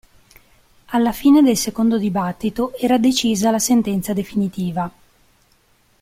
Alla fine del secondo dibattito era decisa la sentenza definitiva.